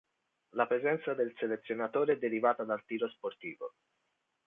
La presenza del selezionatore è derivata dal tiro sportivo.